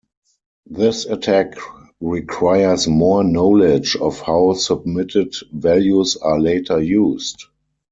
This attack requires more knowledge of how submitted values are later used.